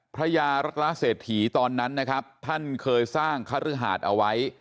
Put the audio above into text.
พระยารักษาเศรษฐีตอนนั้นนะครับท่านเคยสร้างคฤหาสเอาไว้